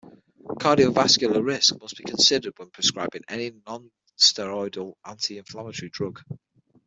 Cardiovascular risk must be considered when prescribing any nonsteroidal anti-inflammatory drug.